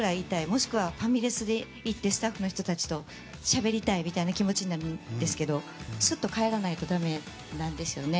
もしくはファミレスに行ってスタッフの人たちとしゃべりたいみたいな気持ちになるんですけどすっと帰らないとだめなんですよね。